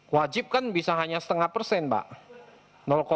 wajib kan bisa hanya setengah persen mbak